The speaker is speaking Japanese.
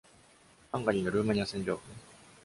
ハンガリーのルーマニア占領軍。